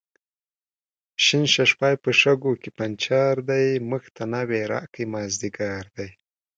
شین ششپای په شګو کې پنچر دی، موږ ته ناوې راکئ مازدیګر دی